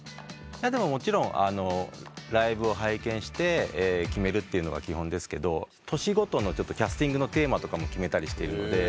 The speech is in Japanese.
もちろんライブを拝見して決めるというのが基本ですけど年ごとのキャスティングのテーマとかも決めたりしてる。